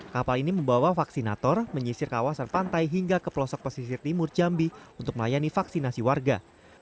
kapal ini membawa vaksinator menyisir kawasan pantai hingga ke pelosok pesisir timur jambi untuk melayani vaksinasi warga